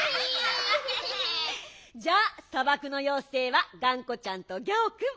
じゃあさばくのようせいはがんこちゃんとギャオくん。